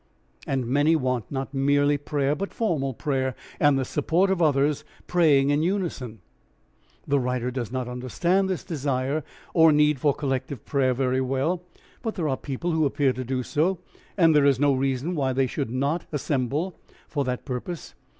And many want not merely prayer but formal prayer and the support of others, praying in unison. The writer does not understand this desire or need for collective prayer very well, but there are people who appear to do so and there is no reason why they should not assemble for that purpose.